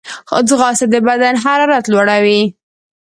ځغاسته د بدن حرارت لوړوي